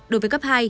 đối với cấp hai